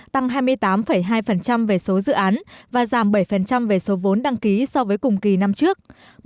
tăng hai mươi tám hai về số dự án và giảm bảy về số vốn đăng ký so với cùng kỳ năm trước